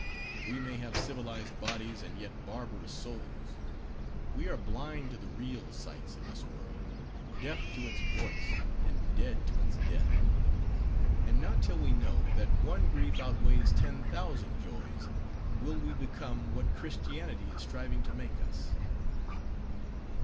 _ We may have civilized bodies and yet barbarous souls. We are blind to the real sights of this world; deaf to its voice; and dead to its death. And not till we know, that one grief outweighs ten thousand joys, will we become what Christianity is striving to make us.